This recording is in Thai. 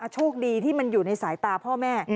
โชคดีที่มันอยู่ในสายตาพ่อแม่